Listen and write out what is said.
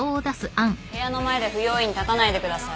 部屋の前で不用意に立たないでください。